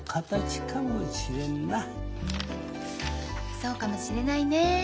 そうかもしれないね。